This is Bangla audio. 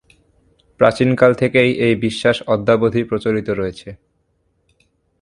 প্রাচীনকাল থেকেই এই বিশ্বাস অদ্যাবধি প্রচলিত রয়েছে।